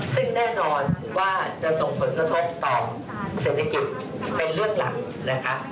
ซึ่งแน่นอนว่าจะส่งผลกระทบต่อเศรษฐกิจเป็นเรื่องหลักนะคะ